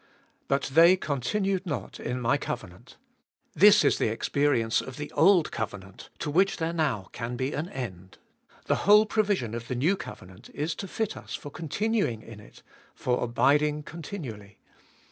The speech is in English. But they continued not in My covenant. This is the experience of the old covenant, to which there now can be an end. The whole provision of the new covenant is to fit us for continuing in it, for abiding continually.